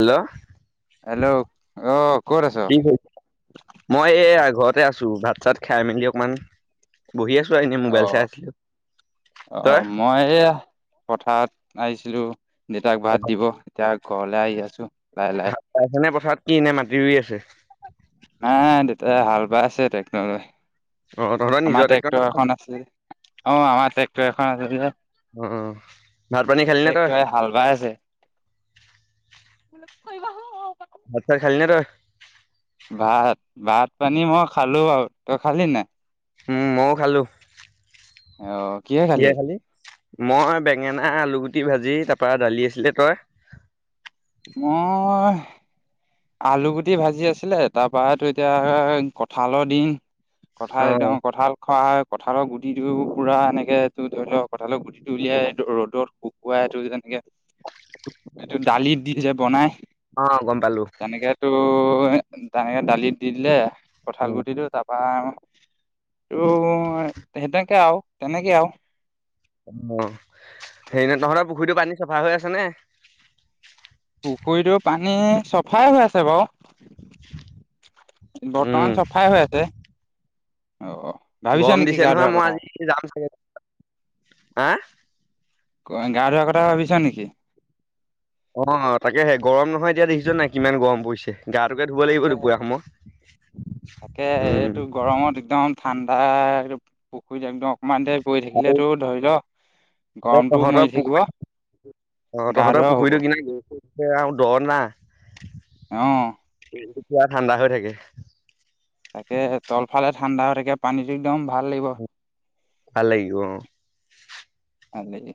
Hello hello অ ক'ত আছ কি কৰিছা? মই এইয়া ঘৰতে আছোঁ। ভাত চাত খাই মেলি অকমান বহি আছো আৰু এনেই মোবাইল চাই অহ' আছিলো। তই অহ' মই এইয়া পথাৰত আহিছিলোঁ। দেউতাক ভাত দিব, এতিয়া ঘৰলৈ আহি আছোঁ। হা এইখনে পথাৰত কি এনে মাটি ৰুই আছে? নাই দেউতাই হাল বাই আছে টেক্টৰে। অ তহঁতৰ আমাৰ নিজৰ ট্ৰেক্টৰ এখন নি? আছে যে অ' আমাৰ ট্ৰেক্টৰ এখন আছে যে অ অ ভাত পানী খালি নে তই টেক্টৰে হাল বাই আছে। কৰিবাহু অ'। ভাত তাত খালি নে তই? ভাত ভাত পানী মই খালো বাৰু তই খালি নাই? ময়ো খালোঁ। আহ কিহে হয় খালি? মই বেঙেনা আলুগুটি ভাজি তাৰ পৰা দালি আছিলে তই? মই আলু গুটি ভাজি আছিলে তাৰ পৰা তো এতিয়া কঠালৰ দিন। কঠাল অ একদম কঁঠাল খোৱা হয় কঁঠালৰ গ গুটিটো পুৰা এনেকে তটো ধৰি লওক কঁঠালত গুটিটো উলিয়াই ৰ'দত শুকুৱাই টো তেনেকে এইটো দালি দি যে বনাই অ্ গম পালো। তেনেকে তো তেনেকে দালিত দি দিলে কঠাল উম গুটি তো তাৰপা ত সনেকে আৰু তেনেকে আৰু- অ', হেৰি ন' তহঁতৰ পুখুৰীটো পানী চাফা হৈ আছেনে? পুখুৰীটো পানী চফাই হৈ আছে বাৰু উম বৰ্তমান চফাই হৈ আছে, অ', ভাবিছ গৰম নেকি দিছে গা নহয় ধোৱাৰ মই কথা আজি যাম চাগে, হা [unintelligible] গা ধোৱা কথা ভাবিছ নেকি? অ', তাকেহে গৰম নহয় এতিয়া দেখিছ নাই কিমান গৰম পৰিছে গাটোকে ধুব লাগিব তাকে দুপৰীয়া তাকে সময়, এইটো উম গৰমত একদম ঠাণ্ডা পুখুৰীত একদম অকমান দেৰি পৰি আৰু থাকিলেতো ধৰি ল ইফালে গৰমটোও তহঁতৰ মৰি থাকিব পুখুৰী অ', গা তহঁতৰ ধোৱাও হ'ব পুখুৰীটো কিনা আৰু দ না অ', বিৰেণ্ডটো পোৰা ঠাণ্ডা হৈ থাকে তাকে তলফালে ঠাণ্ডা হৈ থাকে পানীটো একদম ভাল লাগিব ভাল‌ লাগিব অ', [inaudible]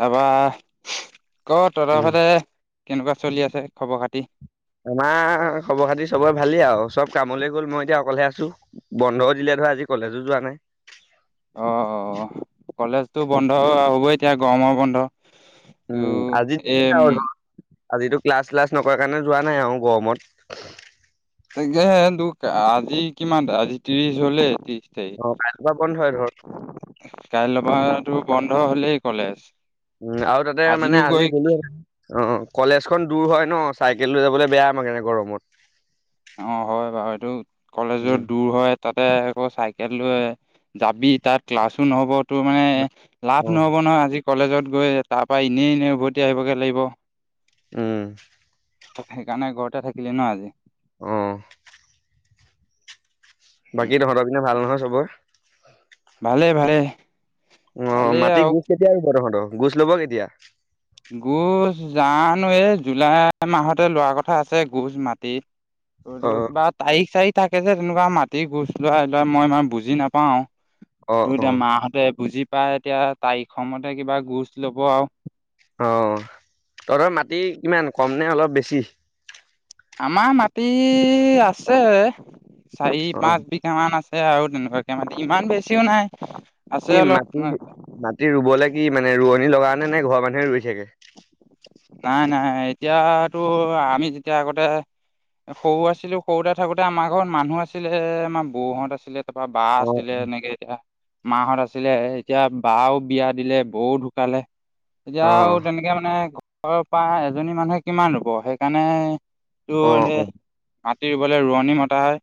তাৰপা ক' তহতৰ উম ফালে কেনেকুৱা চলি আছে খবৰ খাতি আমাৰ খবৰ খাতি চবৰে বন্ধ দিলে ধৰা আজি কলেজো যোৱা নাই অ', - অ', কলেজতো বন্ধ হ'বই এতিয়া গৰমৰ বন্ধ তো উম আজি এই [unintelligible] আজিতো ক্লাছ চিলাছ নকৰাৰ কাৰণে যোৱা নাই আৰু গৰমত তাকেহে দুখ আজি কিমান আজি ত্ৰিশ হ'লে ত্ৰিশ তাৰিখ অ', কাইলৰপা বন্ধই ধৰ কাইলৈপাটো বন্ধ হ'লেই কলেজ উম আৰু তাতে মানে আজিনো আজি গৈ গলো অ', কলেজখন দূৰ হয় ন' চাইকেল লৈ যাবলৈ বেয়া মানে গৰমত অ', হয় বাৰু এইটো উম কলেজত দূৰ হয় তাতে আকৌ চাইকেল লৈ যাবি তাত ক্লাছো নহ'ব তোৰ মানে লাভ অ', নহ'ব নহয় আজি কলেজত গৈ তাৰ পৰা এনেই এনেই উভতি আহিবগে লাগিব। উম সেইকাৰণে ঘৰতে থাকিলি ন' আজি অ', বাকী উম তহঁতৰ পিনে ভাল নহয় চবৰ? ভালে ভালে। অ', মাটি গোচ কেতিয়া আহিব তহঁতৰ গোচ ল'ব কেতিয়া? গোছ জানো এই জুলাই মাহতে লোৱা কথা আছে গোছ মাটিত আৰু অ', কিবা তাৰিখ চাৰিখ থাকে যে তেনেকুৱা মাটি গোচ লোৱা লোৱা মই ইমান বুজি নাপাওঁ অ', ত' এতিয়া অ', মাহতে বুজি পাই এতিয়া তাৰিখ মতে কিবা গোচ ল'ব আৰু অ', তহতৰ মাটি কিমান কম নে অলপ বেছি? আমাৰ মাটি আছে চাৰি অ', পাঁচ বিঘা মান আছে আছে আৰু তেনেকুৱাকে মাটি ইমান বেছিও নাই আছে কি অলপ মাটি মাটি ৰুব লাগে কি মানে ৰোৱনী লগা নে নে ঘৰৰ মানুহে ৰৰুই থাকে। নাই নাই এতিয়াতো আমি যেতিয়া আগতে সৰু আছিলো সৰুতে থাকোঁতে আমাৰ ঘৰত মানুহ আছিলে আমাৰ বৌহঁত আছিলে তাৰ পৰা বা অ', আছিলে এনেকে এতিয়া মাহঁত আছিল আছিলে এতিয়া বাও বিয়া দিলে বৌও ঢুকালে এতিয়া অ', আৰু অ', তেনেকে মানে ঘৰৰ পা এজনী মানুহে কিমান ৰুব সেইকাৰণে তোৰ অ', এনে অ', মাটি ৰুবলে ৰোৱনি মতা হয়।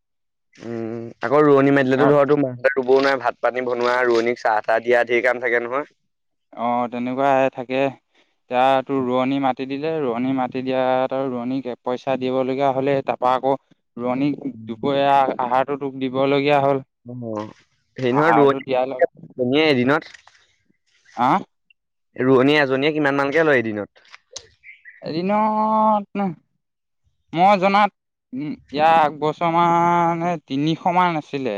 উম আকৌ ৰোৱনী মাতিলাতো ঘৰত ধৰ তোৰ [unintelligible] ৰোবও নাই ভাত পানী বনোৱা ৰোৱনীক চাহ তাহ দিয়া ঢেৰ কাম থাকে নহয়। অ', তেনেকুৱাই থাকে এতিয়া তো ৰোৱনী মা মাতি দিলে ৰোৱনী মাতি দিয়াত আৰু ৰোৱনী পইচা দিবলগীয়া হ'লে তাৰাপা আকৌ ৰোৱনীক দুপৰীয়া আহাৰটো তোক দিব লে [unintelligible] হ'ল অ', হেৰি নহয় ৰোৱনী আহাৰটো দিয়াই ল এজনীয়ে এদিনত আ' ৰোৱনী এজনীয়ে কিমান মানকে লয় এদিনত? এদিনত মই জনাত ইয়াৰ আগবছৰ মানে তিনিশ মান আছিলে।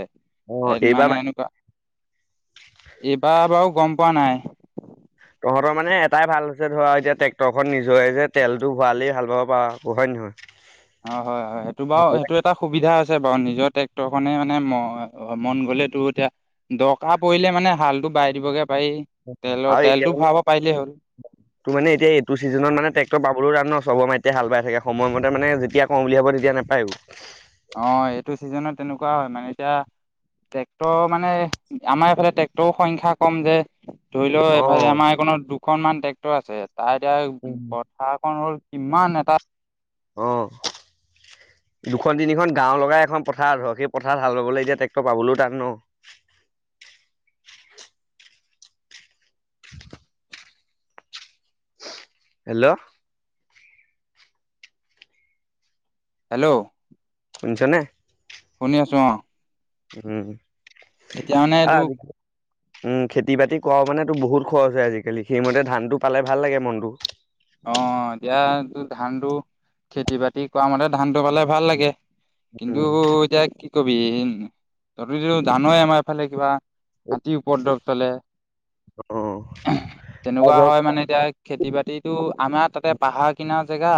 অ', [unintelligible] এইবাৰ মানে এনেকুৱা, এইবাৰ বাৰু গম পোৱা নাই। তহঁতৰ মানে এটাই ভাল হৈছে ধৰা এতিয়া ট্ৰেক্টৰ খ নিজৰে যে তেলটো ভৰালেই ভাল পাব পাৰ হয় নে নহয়? অ', হয় হয় সেইটো বাৰু সেইটো এটা সুবিধা আছে বাৰু নিজৰ ট্ৰেক্টৰ খনেই মানে ম অ', মন গলে তো এতিয়া দৰকাৰ পৰিলে মানে হালটো বাই দিবগে পাৰি তেলৰ আৰু এতিয়া তেলটো মা ভৰাব পাৰিলেই হ'ল তোৰ মানে এতিয়া এইটো ছিজনত মানে ট্ৰেক্টৰ পাবলৈও তান তে হাল বাই থাকে সময়মতে মানে যেতিয়া কওঁ উলিয়াব তেতিয়া নাপায় আৰু। অ', এইটো চিজনত তেনেকুৱা হয় মানে এতিয়া টেক্টৰ মানে আমাৰ এইফালে টেক্টৰৰ সংখ্যা কম যে। ধৰি লও এফাল অ', আমাৰ এইখনত দুখনমান ট্ৰেক্টৰ আছে তাৰ এতিয়া কথা এখন হ'ল ইমান এটা অ'। দুখন তিনিখন গাঁও লগাই এখন পথাৰ ধৰক সেই পথাৰত হাল লবলৈ এতিয়া ট্ৰেক্টৰ পাবলৈও তান ন। [inaudible] হেল্ল'! হেল্ল'! শুনিছানে? শুনি আছো অ'। উম। এতিয়া মানে এইটো আজি উম খেতি বাতি কৰা মানে বহুত খৰচ হয় আজিকালি সেইমতে ধানটো পালে ভাল লাগে মনটো। অ', এতিয়া ধান টো খেতি বাতি কৰা মতে ধানটো পালে ভাল লাগে। কিন্তু উম, এতিয়া কি কবি, [unintelligible] জানেই আমাৰ এফালে কিবা হাতী উপদ্ৰৱ চলে। অ', আৰু তেনেকুৱা ধৰক হয় মানে এতিয়া খেতি বাতি এইটো আমাৰ তাতে পাহাৰ কিনাৰ জেগা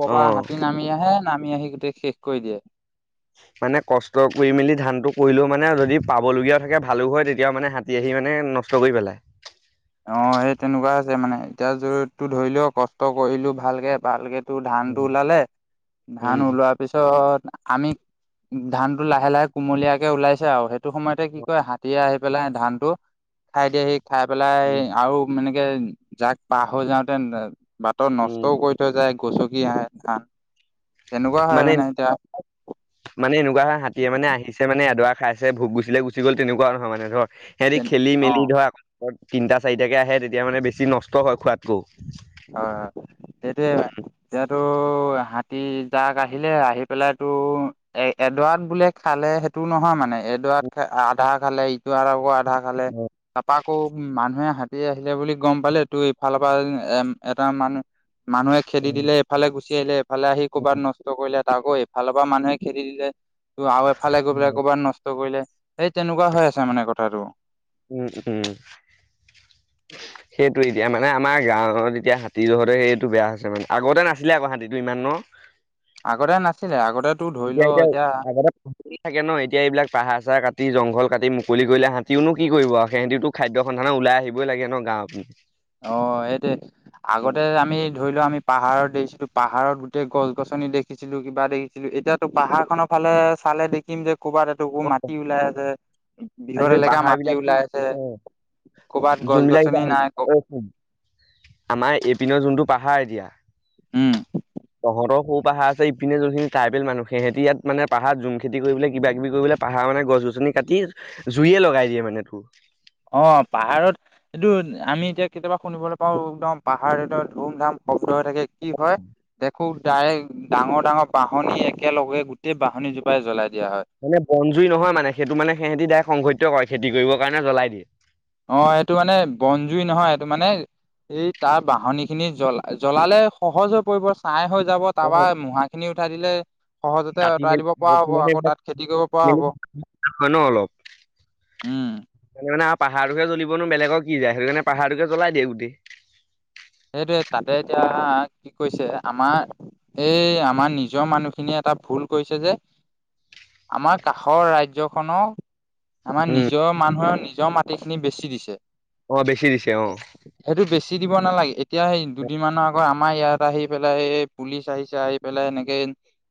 কৰবা অ'। হাতী নামি আহে নামি আহি গোটেই শেষ কৰি দিয়ে। মানে কষ্ট কৰি মেলি ধানতটো কৰিলেও মানে যদি পাবলগীয়া থাকে ভালো হয় তেতিয়া মানে হাতী আহি মানে নষ্ট কৰি পেলাই। অ', সেই তেনেকুৱা আছে মানে এতিয়া জোৰতটো ধৰিলো কষ্ট কৰিলো ভালকে ভালকে তটো ধান টো উম ওলালে ধান ওলোৱাৰ পিছত আমি ধান টো লাহে লাহে কুমলীয়াকে ওলাইছে আৰু সেইটো সময়তে কি কয় হাতীয়ে আহি পেলাই ধান টো খাই দিয়ে সি খাই পেলাই আৰু মানে যাক পাহ হৈ যাওঁতে বাটত উম নষ্টও কৰি থৈ যায়। গচকি ধান তেনেকুৱা হয় মানে এতিয়া। মানে এনেকুৱা হাতীয়ে মানে আহিছে মানে এড খাই ভোক গুচি গুচি গল তেকুৱা নহয় মানে ধৰ সিহঁতি অ' খেলি মেলি হয় ধৰ আকৌ তিনিটা চাৰিটাকে আহে তেতিয়া মানে বেছি নষ্ট হয় খোৱাতকো। হয় হয় সেটোয়ে হয় [unintelligible] হাতী যাক আহিলে আহি পেলাই তো এ এডৰাত বোলে খালে সেইটো নহয় মানে। এডৰাত আধা খালে ইটো আকৌ আধা খালে তাৰপা আকৌ মানুহে হাতি হাতি আহিলে বুলি গম পালে তোৰ ইফালৰ পৰা এম এটা মানুহ মানুহে খেদি দিলে এইফালে গুচি গুচি আহিলে ইফালে আহি কৰ'ৰবাত নষ্ট কৰিলে তাআকৈ ইফালৰ পৰা মানুহে খেদি দিলে। আৰু এফালে গৈ পেলাই কৰৰবাত নষ্ট কৰিলে, সেই তেনেকুৱা হৈ আছে মানে কথাটো। উম উম। সেইটো এতিয়া মানে আমাৰ গাঁৱত এতিয়া হাতীটো জহতে সেইটো বেয়া হৈছে মানে, আগতে নাছিলে আক হাতীটো ইমান ন? [unintelligible] আগতে নাছিলে আগতে তোৰ ধৰি এতিয়া লও এতিয়া আগতে থাকে ন, এতিয়া এইবিলাক পাহাৰ চাহ কাটি জংঘল কি মুকলি কৰিলে হাততিওনো কি কৰিব আৰু সেই হহতিটোো খাদ্য স মানে ওলাই আহিবই লাগে ন গাঁৱ পি অঁ এইটোৱেই, আগতে আমি ধৰি লোৱা আমি পাহাৰত দেখিছিলো, পাহাৰত গোটেই গছ গছনি দেখিছিলো কিবা দেখিছিলো এতিয়াতো পাহাৰ খনৰ ফালে চালে দেখিম যে ক'ৰবাত এটোকো মাটি ওলাই আছে। বিহত তাৰপিছত এলেকা পাহাৰ মাটি বিলাক কি ওলাই আছে অ কৰ'বাত গছ যোনবিলাক গছনি এতিয়া নাই ক আমাৰ এইপিনৰ যোনটো পাহাৰ এতিয়া উম তহঁতৰ খুব পাহাৰ আছে ইপিনে যলখিনি টাইবেল মানুহ সিহঁতি ইয়াত মানে পাহাৰ জোম খেতি কৰিবলে কিবা কিবি কৰিবলে পাহাৰ মানে গছনি, কাটি জুইয়ে লগাই দিয়ে মানে তোৰ, অ পাহাৰত এইটো আমি এতিয়া কেতিয়াবা শুনিবলৈ পাওঁ একদম পাহাৰ এ ধুম ধাম, হৈ থাকে কি হয় দেখ, খুব ডাইৰেক্ট ডাঙৰ ডাঙৰ বাহনী একেলগে গোটেই বাহনী জোপাই জলাই, মানে বনজুই নহয় মানে সেইটো মানে সিহঁতিক সংঘটিত কৰে খেতি কৰিব কাৰণে জ্বলাই দিয়ে। অ এইটো মানে বনজুই নহয় এইটো মানে, এই তাৰ বাহনি খিনি জলা জলালে সহজ হৈ পৰিব চাই হৈ, যাব অ তাৰাবা মঢা খিনি উঠাই দিলে। সহজতে কাটি আঁতৰাই মেলি দিব পৰা হ'ব আকৌ তাত খেতি কৰিব পৰা নিলে হ'ব হয় ন অলপ, উম [unintelligible] পাহাৰোকে জলিবনো বেলেগক কি যায় সেইটো কাৰণে পাহাৰটোকে জলাই দেক গোটেই, সেইটোৱে তাতে এতিয়া কি কৈছে আমাৰ। এই আমাৰ নিজৰ মানুহখিনিয়ে এটা ভুল কৰিছে যে। আমাৰ কাষৰ ৰাজ্যখনক, আমাৰ উম, নিজৰ মানুহে নিজৰ মাটিখিনি বেছি দিছে। অ বেছি দিছে অ, সেইটো বেছি দিব নালাগে। এতিয়া স দুদিনমানৰ আগত আমাৰ ইয়াত আহি পেলাই এই পুলিচ আহিছে আহি পেলাই এনেকে,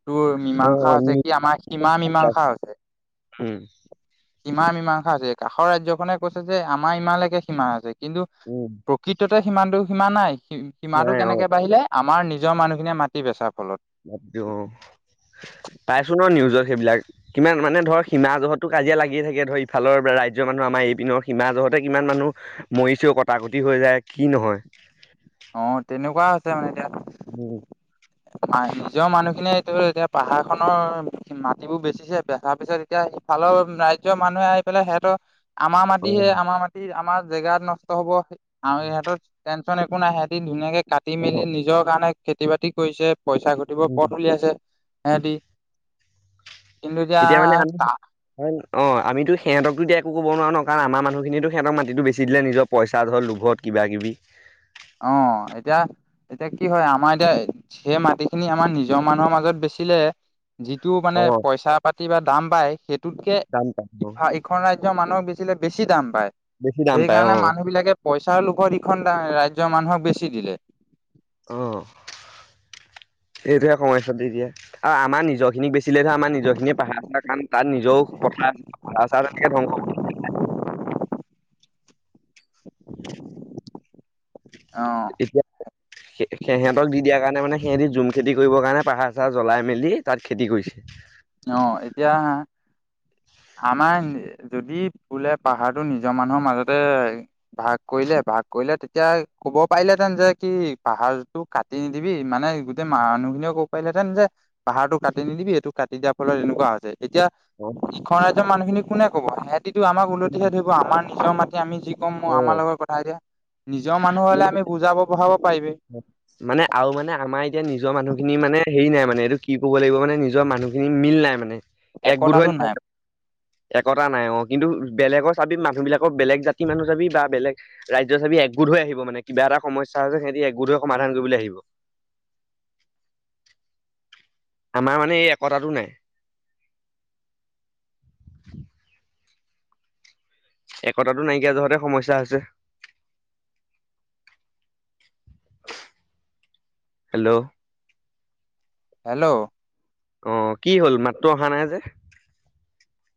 তোৰ অ মীমাংসা অ হৈছে কি নিউজ আমাৰ সীমা মীমাংসা পাইছো। হৈছে। উম, সিমা মীমাংসা হৈছে। কাষৰ ৰাজ্যখনে কৈছে যে আমাৰ ইমালৈকে সিমা আছে কিন্তু উম, প্ৰকৃততে সিমানটো সীমা নাই সীমাটো নাই অ, কেনেকে বাঢ়িলে আমাৰ নিজৰ মানুহখিনিয়ে মাতি বেচাৰ ফলত লদ পাইছো ন নিউজত সেইবিলাক কিমান মানে ধৰ সীমা জহতো কাজিয়া লাগিয়ে থাকে ধৰ ইফালৰ ৰাজ্যৰ মানুহ আমাৰ এইপিনৰ সীমা জহতে কিমান মানুহ মৰিছো কটা কটি হৈ যায় কি নহয় অ তেনেকুৱা হৈছে মানে এতিয়া উম নিজৰ মানুহখিনিয়ে এতিয়া পাহাৰ খনৰ মাটিবোৰ বেচিছে বচাৰ পিছত এতিয়া ইিফালৰ ৰাজ্যৰ মানুহে ে সেইহটো আমাৰ অ, মাটিহে আমাৰ মাটি আমাৰ জেগাত নষ্ট হ'ব আম ইহত একো নাইে এদিন ধুনীয়াকে কাটি মেলি অ, নিজৰ কাৰণে খেতি বাতি কৰিছে পইচা ঘটিব উম। পথ উলিয়াইছে সিহতি এতিয়া মানে আমি অ আমিতো সিহঁতটো এতিয়া একো ক'ব নোৱাৰো ন কাৰণ আমাৰ মানুহ খিনিয়েটো সিহঁতক মিটি টো বেচি দিলে নিজৰ পইচা ধৰ লোভত কিবা কিবি অ এতিয়া এতিয়া কি হয় আমাৰ এতিয়া সেই মাটিখিনি আমাৰ নিজৰ মানুহৰ মাজত বেছি চিলে যিটো মানে অ, পইচা পাতি বা দাম পাই সেইটোতকে দাম পায় অ, ইখন ৰাজ্যৰ মানুহৰ বেছি বেছি দাম পায় বেছি দাম পায় সেইকাৰণে অ। মানুহ বিলাকে পইচাৰ লোভত ইখন ৰাজ্য মানুহক বেচি দিলে অ', এইটোহে সমস্যা দি দিয়ে আৰু আমাৰ নিজৰ খিনিক বেচিলেহে আমাৰ নিজৰ খিনিয়ে পাহাৰ কটা কাম তাত নিজেও [unintelligible] ধ্বংস কৰি অ', এতিয়া সেহেতক দি দিয়াৰ কাৰণে মানে সিহঁতি জুম খেতি কৰিবৰ কাৰণে পাহাৰ চাহাৰ জ্বলাই মেলি তাত খেতি কৰিছে। অ', এতিয়া আমাৰ যদি বোলে পাহাৰটো নিজৰ মানুহৰ মাজতে ভাগ কৰিলে ভাগ কৰিলে তেতিয়া ক'ব পাৰিলেহেতেন যে কি পাহাৰটো কাটি নিদিবি মানে গোটেই মানুহখিনিয়ে ক'ব পাৰিলেহেতেন যে পাহাৰটো কাটি নিদিবি সেইটো কাটি দিয়াৰ ফলত এনেকুৱা হৈছে এতিয়া অ', ইখন ৰাজ্যৰ মানুহখিনি কোনে ক'ব সিহঁতিটো আমাক উলতিহে ধৰিব আমাৰ নিজৰ মাটি আমি যি কম মই আমাৰ অ', লগত কথা এতিয়া নিজৰ মানুহ হ'লে আমি বুজাব বঢ়াব পাৰিবি মানে আৰু মানে আমাৰ এতিয়া নি নিজৰ মানুহখিনি মানে হেৰি নাই মানে এইটো ক'ব লাগিব মানে নিজৰ মানুহখিনি মিল নাই মানে একগোট হৈ একতাটো নাই নাথাকে একতা নাই অ', কিন্তু বেলেগৰ চাবি মানুহ বিলাকৰ বেলেগ জাতি মানুহ চাবি বা বেলেগ ৰাজ্য‌ চাবি একগোট হৈ আহিব মানে কিবা এটা সমস্যা হৈছে সিহঁতি একগোট গোট হৈ সমাধান কৰিবলৈ আহিব। আমাৰ মানে এই একতাটো নাই। একতাটো নাইকিয়া জহতে সমস্যা হৈছে হেল্ল', হেল্ল', অ', কি হ'ল মাতটো অহা নাই যে?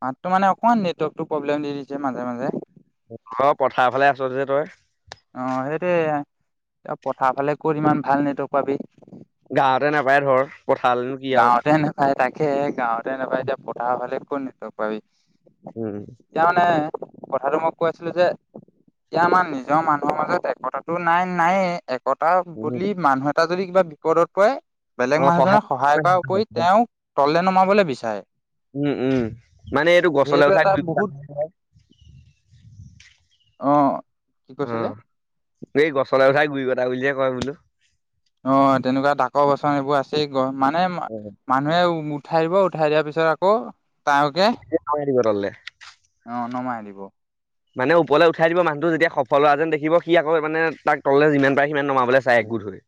মাততো মানে অকণমান নেটৱৰ্কটো প্ৰব্লেম দি দিছে মাজে মাজে অ', পথাৰ ফালে আছ যে তই অ', সেইটোৱে পথাৰ ফালে ক'ত ইমান ভাল নেটৱৰ্ক পাবি। গাঁওতে নাপায় ধৰ পথাৰলেনো কি আৰু গাঁৱতে নাপায় তাকে সেয়েহে গাঁৱতে নাপায় এতিয়া পথাৰৰ ফালে ক'ত নেটৱৰ্ক পাবি। উম এতিয়া মানে কথাটো মই কৈ আছিলো যে এতিয়া আমাৰ নিজৰ মানুহৰ মাজত একতাতো নাই নায়ে কটা উম বুলি মানুহ এটা যদি কিবা বিপদত পৰে বেলেগ মানুহজনে সহায় থকা উপৰি তেওঁক তললে নমাবলৈ বিচাৰে উম উম মানে এইটো গছলে সেইটো উঠাই এটা গুৰি বহুত কাটি [unintelligible] [inaudible] অ কি কৈছিলে অ', এই গছলৈ উঠাই গুৰি কটা বুলিহে কয় বোলো অ', তেনেকুৱা ডাকৰ বচন এইবোৰ আছেই গ মানে মানুহে উঠাই দিব উঠাই দিয়াৰ পিছত আকৌ তাকে [unintelligible] অ নমাই দিব মানে ওপৰলৈ উঠাই দিব মানুহটো সফল হোৱা যেন দেখিব সি আকৌ মানে তাক তলে যিমান পাৰে সিমান নমাবলৈ চাই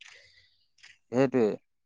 [inaudible] সেইটোৱে